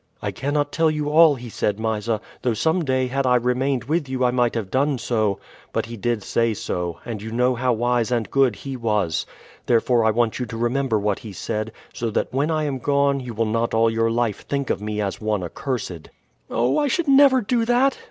"I cannot tell you all he said, Mysa; though some day had I remained with you I might have done so. But he did say so, and you know how wise and good he was. Therefore I want you to remember what he said, so that when I am gone you will not all your life think of me as one accursed." "Oh! I should never do that!"